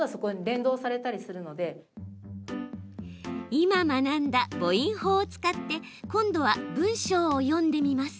今、学んだ母音法を使って今度は文章を読んでみます。